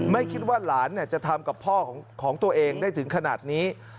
ไม่คิดว่าหลานจะทำกับพ่อของตัวเองได้ถึงขนาดนี้